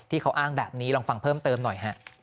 ที่เขาอ้างแบบนี้ลองฟังเพิ่มเติมหน่อย